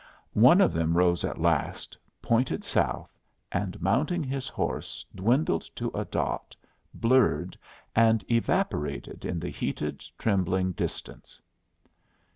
One of them rose at last, pointed south, and mounting his horse, dwindled to a dot, blurred, and evaporated in the heated, trembling distance.